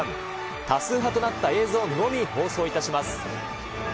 多数派となった映像のみ放送いたします。